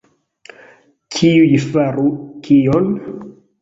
Kiuj faru kion?